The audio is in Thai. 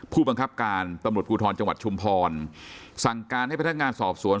ผู้บังคับการตำรวจภูทรจังหวัดชุมพรสั่งการให้พนักงานสอบสวน